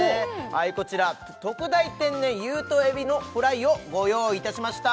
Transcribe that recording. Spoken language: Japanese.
はいこちら特大天然有頭海老のフライをご用意いたしました